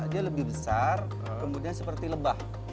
dia lebih besar kemudian seperti lebah